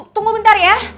tunggu bentar ya